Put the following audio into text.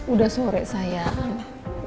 udah sore sayang